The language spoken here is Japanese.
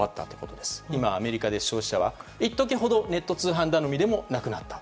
今、アメリカで消費者は一時ほどネット通販頼みでもなくなった。